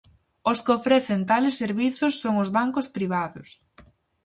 Os que ofrecen tales servizos son os bancos privados.